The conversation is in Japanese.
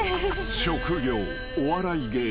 ［職業お笑い芸人］